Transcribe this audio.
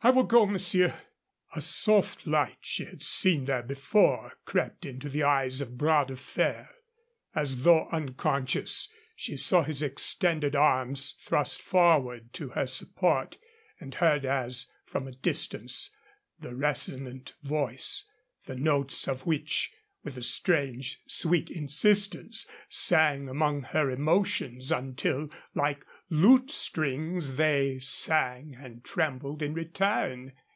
I will go, monsieur." A soft light she had seen there before crept into the eyes of Bras de Fer. As though unconscious, she saw his extended arms thrust forward to her support and heard as from a distance the resonant voice, the notes of which, with a strange, sweet insistence, sang among her emotions until, like lute strings, they sang and trembled in return.